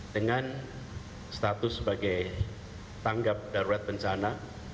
dengan status sebagai tanggap darurat bencana